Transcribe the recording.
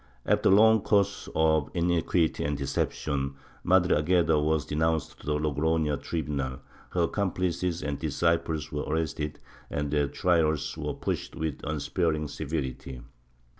After a long course of iniciuity and deception, Madre Agueda was denounced to the Logroiio tribunal; her accomplices and disciples were arrested and their trials were pushed with unsparing severity.